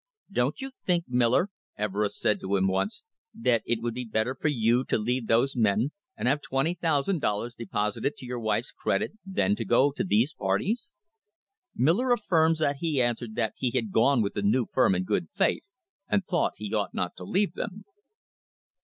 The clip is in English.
"Don't you think, Miller," Ever est said to him once, "that it would be better for you to leave those men and have $20,000 deposited to your wife's credit than to go to these parties?" Miller affirms that he answered that he had gone with the new firm in good faith, and thought he ought not to leave them.